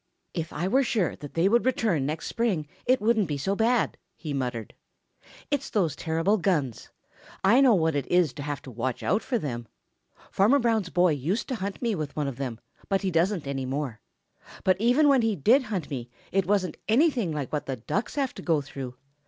"If I were sure that they would return next spring, it wouldn't be so bad," he muttered. "It's those terrible guns. I know what it is to have to watch out for them. Farmer Brown's boy used to hunt me with one of them, but he doesn't any more. But even when he did hunt me it wasn't anything like what the Ducks have to go through.